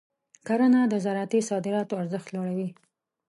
کرنه د زراعتي صادراتو ارزښت لوړوي.